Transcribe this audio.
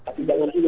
tapi jangan di sana